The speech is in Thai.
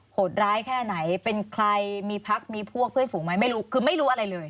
โหดร้ายแค่ไหนเป็นใครมีพักมีพวกเพื่อนฝูงไหมไม่รู้คือไม่รู้อะไรเลย